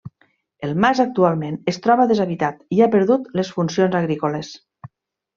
El mas actualment es troba deshabitat i ha perdut les funcions agrícoles.